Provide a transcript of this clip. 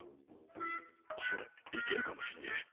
それいけるかもしんねえおもしろい！